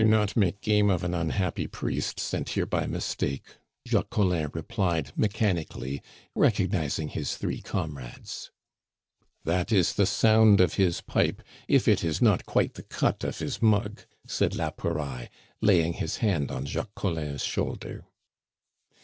"Do not make game of an unhappy priest sent here by mistake," Jacques Collin replied mechanically, recognizing his three comrades. "That is the sound of his pipe, if it is not quite the cut of his mug," said la Pouraille, laying his hand on Jacques Collin's shoulder.